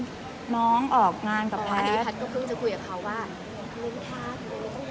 ถ้าสมมุติว่าเขามึงคิดว่าเอาลูกเดียวมึงหวานแบบนี้